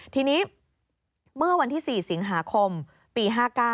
ทีนี้เมื่อวันที่๔สิงหาคมปี๕๙